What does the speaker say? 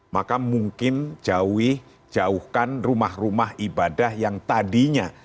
maka mungkin jauhkan rumah rumah ibadah yang tadinya